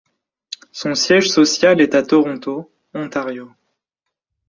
Son siège social est à Toronto, Ontario.